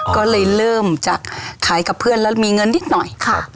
ก็เลยเริ่มจากขายกับเพื่อนแล้วมีเงินนิดหน่อยค่ะ